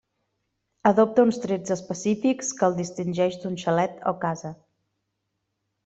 Adopta uns trets específics que el distingeix d'un xalet o casa.